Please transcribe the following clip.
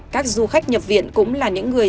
các du khách nhập viện cũng là những người